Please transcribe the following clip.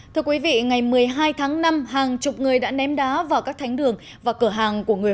thưa quý vị ngày một mươi hai tháng năm hàng chục người đã ném đá vào các thánh đường và cửa hàng của người